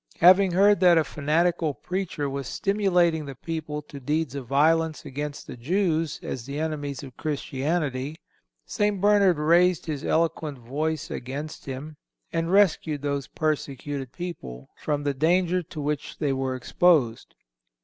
Having heard that a fanatical preacher was stimulating the people to deeds of violence against the Jews as the enemies of Christianity, St. Bernard raised his eloquent voice against him, and rescued those persecuted people from the danger to which they were exposed.